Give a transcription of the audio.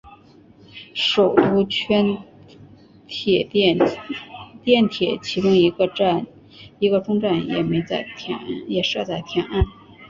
首都圈电铁其中一个终站也设在天安。